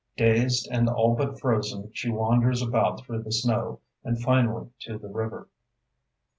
Dazed and all but frozen, she wanders about through the snow, and finally to the river.